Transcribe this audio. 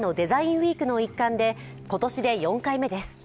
ウィークの一環で、今年で４回目です。